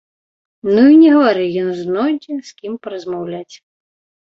Ну і не гавары, ён знойдзе, з кім паразмаўляць.